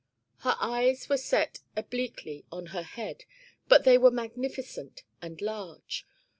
'Her eyes were set obliquely in her head but they were magnificent and large.